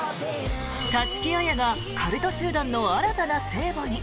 立木彩がカルト集団の新たな聖母に？